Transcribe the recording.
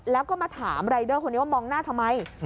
แล้วก็มาถามรายเดอร์คนนี้ว่ามองหน้าทำไม